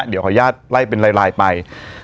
เดี๋ยวขออนุญาตไล่เป็นลายไป